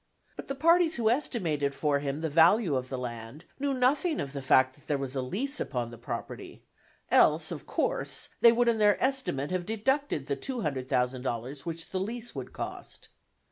But the parties who estimated for him the value of the land knew nothing of the fact that there was a lease upon the property, else of course they would in their estimate have deducted the $200,000 which the lease would cost.